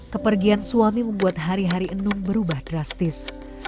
kepergian suami membuat hari hari enung berubah drastis